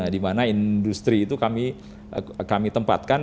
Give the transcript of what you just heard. dimana industri itu kami tempatkan